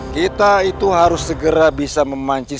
kita itu harus segera bisa memancing